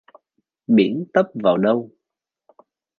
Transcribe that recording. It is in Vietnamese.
Biển tấp vào đâu